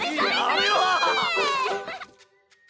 やめろ！